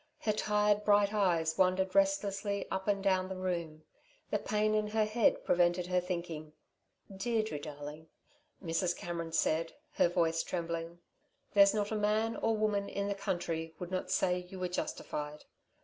Her tired, bright eyes wandered restlessly up and down the room. The pain in her head prevented her thinking. "Deirdre darling," Mrs. Cameron said, her voice trembling, "there's not a man or woman in the country would not say you were justified.